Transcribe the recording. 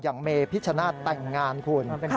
เมพิชชนาธิ์แต่งงานคุณ